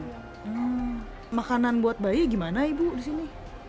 hmm makanan buat bayi gimana ibu di sini